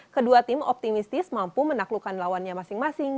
kedua tim optimistis mampu menaklukkan lawannya masing masing